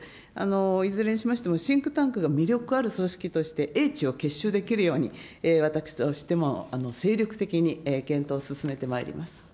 いずれにしましてもシンクタンクが魅力ある組織として英知を結集できるように、私としても精力的に検討を進めてまいります。